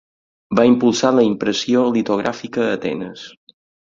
Va impulsar la impressió litogràfica a Atenes.